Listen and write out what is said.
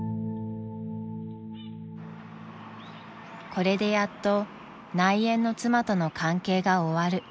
［これでやっと内縁の妻との関係が終わる］